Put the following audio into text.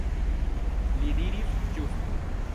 Li diris ĝuste.